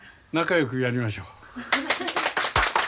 仲よくやりましょう。